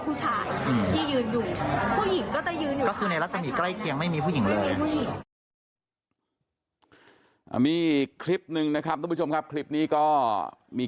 ก็เลยมีความรู้สึกว่าถ้าแบบเราทำอะไรให้